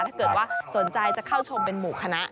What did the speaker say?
ถ้าเกิดว่าสนใจจะเข้าชมเป็นหมู่คณะ